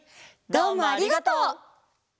どうもありがとう。